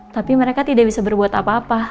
tapi mereka tidak bisa berbuat apa apa